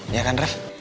iya kan rev